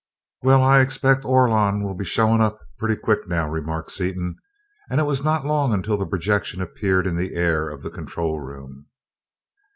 "Well, I expect Orlon'll be showing up pretty quick now," remarked Seaton; and it was not long until the projection appeared in the air of the control room.